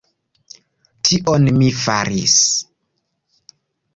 Tion mi faris!